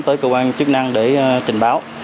tới cơ quan chức năng để trình báo